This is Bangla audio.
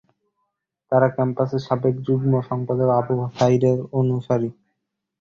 তাঁরা ক্যাম্পাসে সাবেক যুগ্ম সম্পাদক আবু সাঈদের অনুসারী।